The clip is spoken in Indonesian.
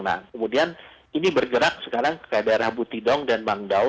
nah kemudian ini bergerak sekarang ke daerah butidong dan bangdao